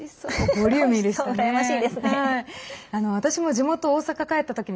ボリューミーでしたね。